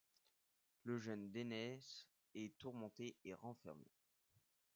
Le jeune Dénes est tourmenté et renfermé.